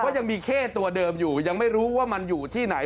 ยังมีเข้ตัวเดิมอยู่ยังไม่รู้ว่ามันอยู่ที่ไหน